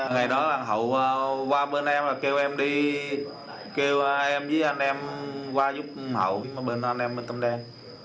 ngày đó là hậu qua bên em và kêu em đi kêu em với anh em qua giúp hậu bên anh em bên tâm đen